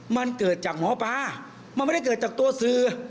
มันเกิดจากหมอปลามันไม่ได้เกิดจากตัวสื่อ